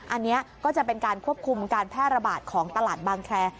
อันนี้ก็จะเป็นการควบคุมการแพร่ระบาดของตลาดบางแคร